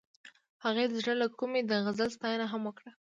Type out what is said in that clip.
هغې د زړه له کومې د غزل ستاینه هم وکړه.